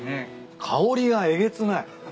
香りがえげつない。